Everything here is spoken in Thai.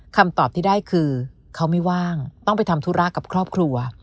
คำตอบที่ได้คือเขาไม่ว่างต้องไปทำธุระกับครอบครัว